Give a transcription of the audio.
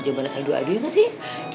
jangan banyak i do i do ya nggak sih